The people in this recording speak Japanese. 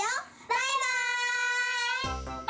バイバイ！